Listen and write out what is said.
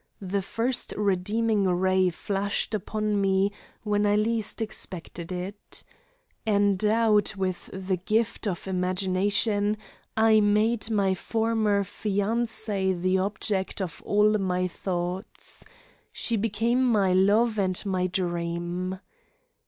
The first redeeming ray flashed upon me when I least expected it. Endowed with the gift of imagination, I made my former fiancee the object of all my thoughts. She became my love and my dream.